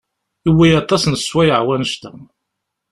Yewwi-yi aṭas n sswayeɛ wanect-aki.